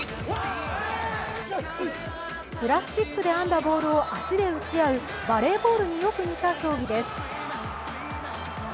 プラスチックで編んだボールを足で打ち合うバレーボールによく似た競技です。